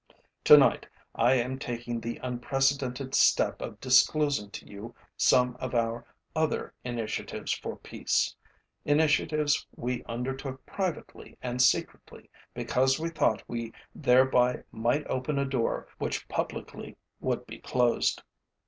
Tonight, I am taking the unprecedented step of disclosing to you some of our other initiatives for peace, initiatives we undertook privately and secretly because we thought we thereby might open a door which publicly would be closed.